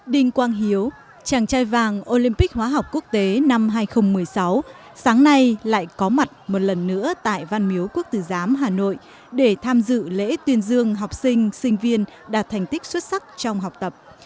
đình quang hiếu chàng trai vàng olympic hóa học quốc tế năm hai nghìn một mươi sáu sáng nay lại có mặt một lần nữa tại văn miếu quốc tử giám hà nội để tham dự lễ tuyên dương học sinh sinh viên đạt thành tích xuất sắc trong học tập